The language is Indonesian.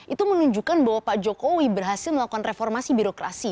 itu menunjukkan bahwa pak jokowi berhasil melakukan reformasi birokrasi